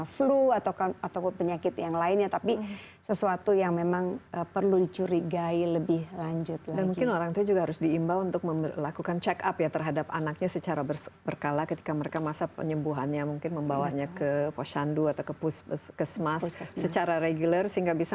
funktioniert ini adanya leukemia